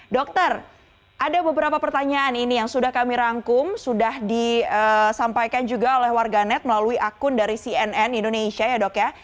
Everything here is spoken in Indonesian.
dokter ada beberapa pertanyaan ini yang sudah kami rangkum sudah disampaikan juga oleh warganet melalui akun dari cnn indonesia ya dok ya